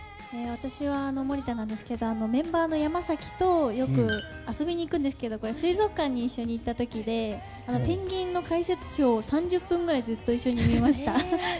森田なんですけどメンバーの山崎とよく遊びに行くんですけどこれは水族館に一緒に行った時でペンギンの解説ショーを３０分ぐらい見てました。